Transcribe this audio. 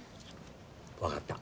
分かった。